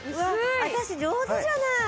私上手じゃない！